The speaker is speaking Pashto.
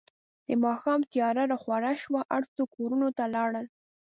د ماښام تیاره راخوره شوه، هر څوک کورونو ته لاړل.